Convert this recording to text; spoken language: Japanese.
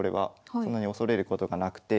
そんなに恐れることがなくて。